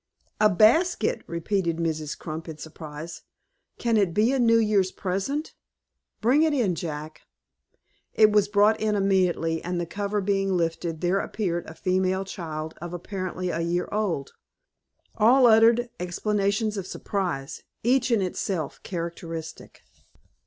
"A basket!" repeated Mrs. Crump, in surprise. "Can it be a New Year's present? Bring it in, Jack." It was brought in immediately, and the cover being lifted there appeared a female child, of apparently a year old. All uttered exclamations of surprise, each in itself characteristic.